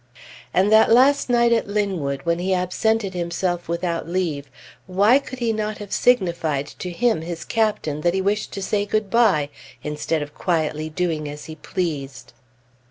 And that last night at Linwood, when he absented himself without leave, why could he not have signified to him, his Captain, that he wished to say good bye, instead of quietly doing as he pleased?